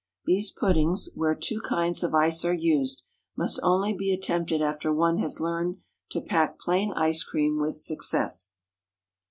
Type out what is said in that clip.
These puddings, where two kinds of ice are used, must only be attempted after one has learned to pack plain ice cream with success.